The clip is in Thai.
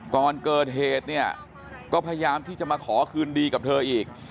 ก่อนเกิดเหตุเนี่ยก็พยายามที่จะมาขอคืนดีกับเธออีก